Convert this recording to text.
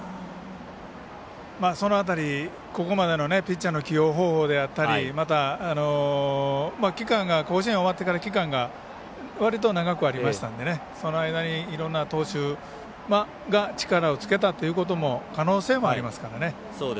その辺り、ここまでのピッチャーの起用方法であったりまた、甲子園終わってから期間が長くありましたのでその間にいろんな投手が力をつけたという可能性もありますからね。